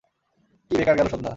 কি বেকার গেলো সন্ধ্যা!